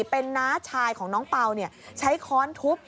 เป็นน้าชายของน้องเป่าใช้ค้อนทุบ